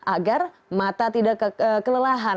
agar mata tidak kelelahan